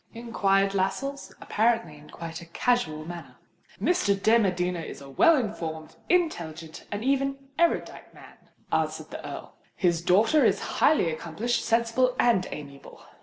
inquired Lascelles, apparently in quite a casual manner. "Mr. de Medina is a well informed, intelligent, and even erudite man," answered the Earl. "His daughter is highly accomplished, sensible, and amiable.